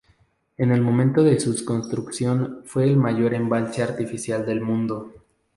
En el momento de sus construcción fue el mayor embalse artificial del mundo.